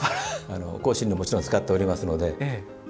香辛料、もちろん使っております。